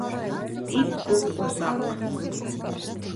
Бик күп усаҡ!